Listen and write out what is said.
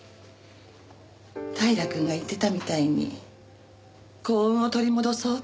平くんが言ってたみたいに幸運を取り戻そうって。